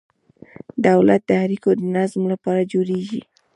دولت د اړیکو د نظم لپاره جوړیږي.